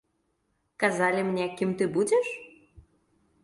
Казалі мне, кім ты будзеш?